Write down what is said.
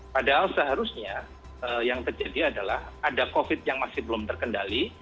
padahal seharusnya yang terjadi adalah ada covid yang masih belum terkendali